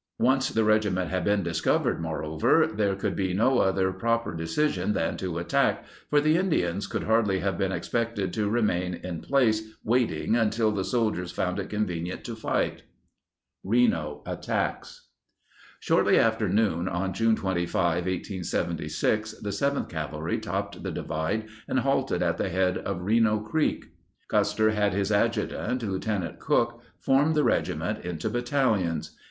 Once the regiment had been discovered, moreover, there could be no other proper decision than to attack, for the Indians could hardly have been expected to remain in place waiting until the soldiers found it convenient to fight. Reno Attacks Shortly after noon on June 25, 1876, the 7th Cavalry topped the divide and halted at the head of Reno Creek. Custer had his adjutant, Lieutenant Cooke, form the regiment into battalions.